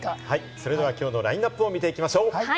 それでは今日のラインナップを見ていきましょう。